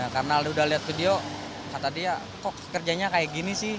karena udah liat video kata dia kok kerjanya kayak gini sih